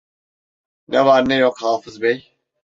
Ne var ne yok Hafız bey?